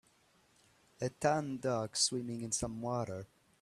a tan dog swimming in some water